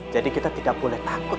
jadi kita tidak boleh takut